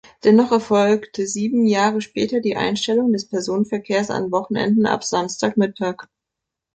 Dennoch erfolgte sieben Jahre später die Einstellung des Personenverkehrs an Wochenenden ab Samstagmittag.